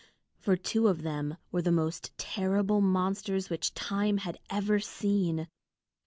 For two of them were the most terrible monsters which time had ever seen.